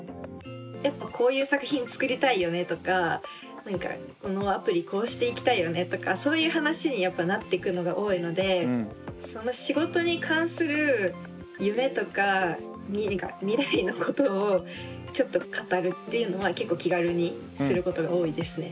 やっぱこういう作品作りたいよねとかこのアプリこうしていきたいよねとかそういう話にやっぱなってくのが多いのでっていうのは結構気軽にすることが多いですね。